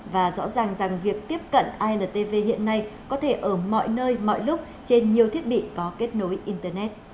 và rõ ràng rằng việc tiếp cận intv hiện nay có thể ở mọi nơi mọi lúc trên nhiều thiết bị có kết nối internet